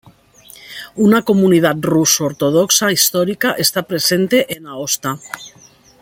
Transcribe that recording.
Una comunidad ruso ortodoxa histórica está presente en Aosta.